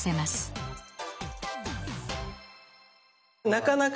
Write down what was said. なかなかね